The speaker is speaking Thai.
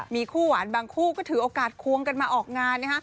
มีคู่หวานบางคู่ก็ถือโอกาสควงกันมาออกงาน